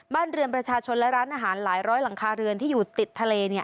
บ้านเรือนประชาชนและร้านอาหารหลายร้อยหลังคาเรือนที่อยู่ติดทะเล